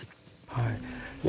はい。